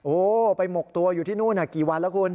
โอ้โหไปหมกตัวอยู่ที่นู่นกี่วันแล้วคุณ